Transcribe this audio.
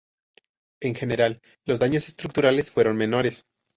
En general, los daños estructurales fueron menores.